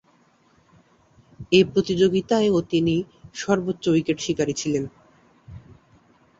এ প্রতিযোগিতায়ও তিনি সর্বোচ্চ উইকেট শিকারী ছিলেন।